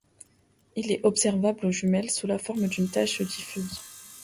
Il est observable aux jumelles sous la forme d'une tache diffuse.